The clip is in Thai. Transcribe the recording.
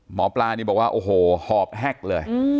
หมอปลานี่บอกว่าโอ้โหหอบแฮกเลย